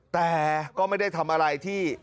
แต่ก็ไม่ได้ทำอะไรที่